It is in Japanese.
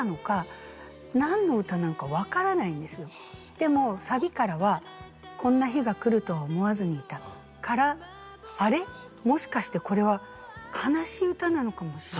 でもサビからは「こんな日が来るとは思わずにいた」から「あれ？もしかしてこれは悲しい歌なのかもしれない」。